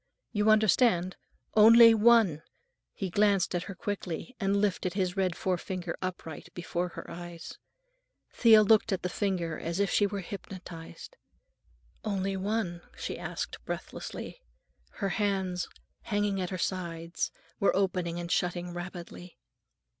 You understand? Only one!" He glanced at her quickly and lifted his red forefinger upright before her eyes. Thea looked at the finger as if she were hypnotized. "Only one?" she asked breathlessly; her hands, hanging at her sides, were opening and shutting rapidly.